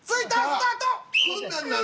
スタート！